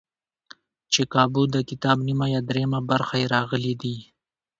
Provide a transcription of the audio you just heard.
چې کابو دکتاب نیمه یا درېیمه برخه یې راغلي دي.